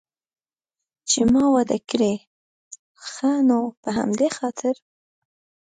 چې ما واده کړی، ښه نو په همدې خاطر.